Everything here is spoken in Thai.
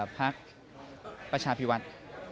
พักประชาภิวัติ